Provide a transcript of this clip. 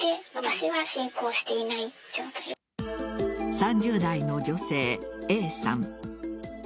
３０代の女性・Ａさん。